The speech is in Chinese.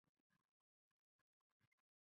而这季光芒队的先发轮值表现相当抢眼。